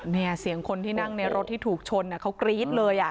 เนี่ยเสียงคนที่นั่งในรถที่ถูกชนเขากรี๊ดเลย